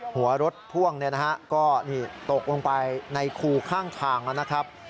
หัวรถพ่วงก็ตกลงไปในคูข้างทางนะครับ